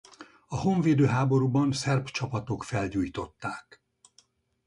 A honvédő háborúban szerb csapatok felgyújtották.